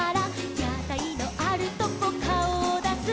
「やたいのあるとこかおをだす」